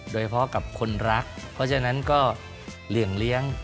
เฉพาะกับคนรักเพราะฉะนั้นก็เหลี่ยงเลี้ยง